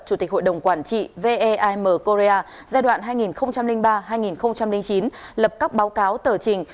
chủ tịch hội đồng quản trị veim korea giai đoạn hai nghìn ba hai nghìn chín lập các báo cáo tờ trình